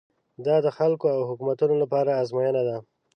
دا د خلکو او حکومتونو لپاره ازموینه ده.